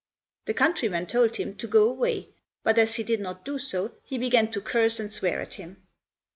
The countryman told him to go away, but as he did not do so he began to curse and swear at him.